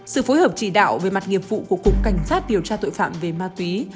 sự phối hợp chỉ đạo về mặt nghiệp vụ của cục cảnh sát điều tra tội phạm về ma túy